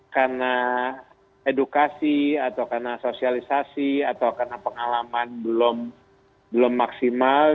karena edukasi atau karena sosialisasi atau karena pengalaman belum maksimal